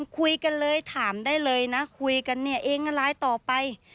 คุยกันเลยถามได้เลยนะคุยกันเนี่ยเองอะไรต่อไป